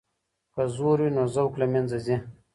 که زور وي نو ذوق له منځه ځي.